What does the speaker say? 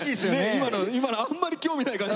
今のあんまり興味ない感じ。